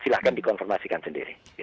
silahkan dikonfirmasikan sendiri